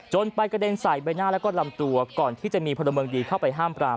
ไปกระเด็นใส่ใบหน้าแล้วก็ลำตัวก่อนที่จะมีพลเมืองดีเข้าไปห้ามปราม